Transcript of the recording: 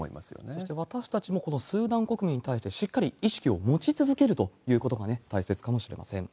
そして私も、スーダン国民に対してしっかり意識を持ち続けるということが大切かもしれません。